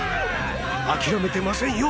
諦めてませんよ